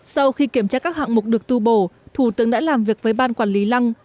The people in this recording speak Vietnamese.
sau khi kiểm tra các hạng mục được tu bổ thủ tướng đã làm việc với ban quản lý lăng